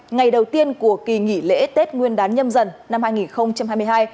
ngày đầu tiên của kỳ nghỉ lễ tết nguyên đán nhâm dần năm hai nghìn hai mươi hai